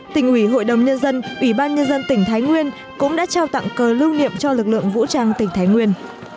tỉnh ủy hội đồng nhân dân ủy ban nhân dân tỉnh thái nguyên cũng đã trao tặng cờ lưu niệm cho lực lượng vũ trang tỉnh thái nguyên